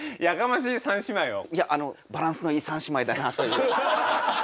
バランスのいい三姉妹だなという。